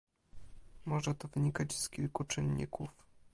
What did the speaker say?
Może to wynikać z kilku czynników